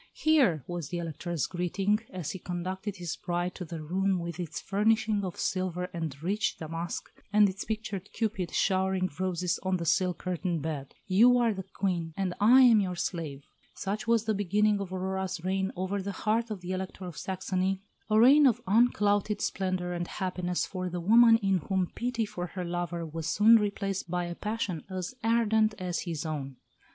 "Here," was the Elector's greeting, as he conducted his bride to her room with its furnishing of silver and rich damask, and its pictured Cupid showering roses on the silk curtained bed, "you are the Queen, and I am your slave." Such was the beginning of Aurora's reign over the heart of the Elector of Saxony a reign of unclouded splendour and happiness for the woman in whom pity for her lover was soon replaced by a passion as ardent as his own.